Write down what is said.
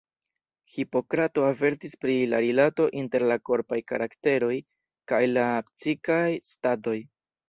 Hipokrato avertis pri la rilato inter la korpaj karakteroj kaj la psikaj statoj.